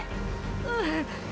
うん！